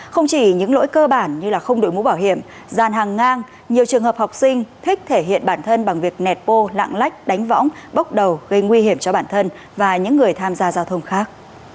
không chỉ những lỗi cơ bản như không đổi mũ bảo hiểm dàn hàng ngang nhiều trường hợp học sinh thích thể hiện bản thân bằng việc nẹt bô lạng lách đánh võng bốc đầu gây nguy hiểm cho bản thân và những người tham gia giao thông khác